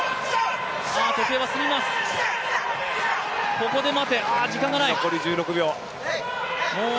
ここで待て、あ、時間がない。